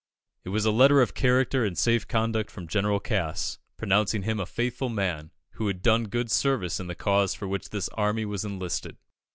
It was a letter of character and safe conduct from General Cass, pronouncing him a faithful man, who had done good service in the cause for which this army was enlisted.